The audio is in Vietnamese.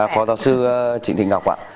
phó giáo sư trịnh thịnh ngọc ạ